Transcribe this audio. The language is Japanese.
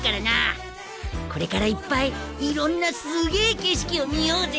これからいっぱいいろんなすげえ景色を見ようぜ！